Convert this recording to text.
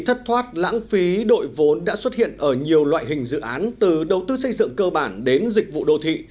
thất thoát lãng phí đội vốn đã xuất hiện ở nhiều loại hình dự án từ đầu tư xây dựng cơ bản đến dịch vụ đô thị